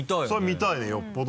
それ見たいよね。